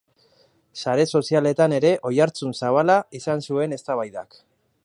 Sare sozialetan ere oihartzun zabala izan zuen eztabaidak.